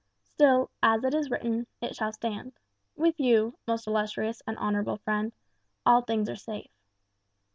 Still, as it is written, it shall stand. With you, most illustrious and honourable friend, all things are safe.